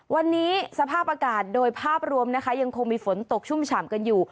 วันนี้สภาพอากาศโดยภาพรวมนะคะยังคงมีฝนตกชุ่มฉ่ำกันอยู่